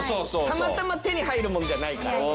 たまたま手に入るものじゃないから。